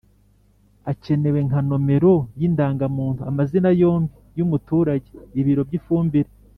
Akenewe nka nomero y indangamuntu amazina yombi y umuturage ibiro by ifumbire